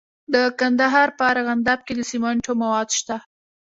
د کندهار په ارغنداب کې د سمنټو مواد شته.